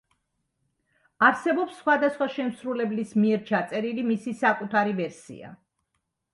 არსებობს სხვადასხვა შემსრულებლის მიერ ჩაწერილი მისი საკუთარი ვერსია.